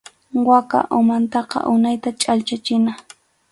Waka umantaqa unaytam chhallchachina.